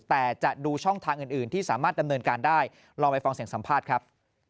แต่จะดูช่องทางอื่นที่สามารถดำเนินการได้ลองไปฟังเสียงสัมภาษณ์ครับ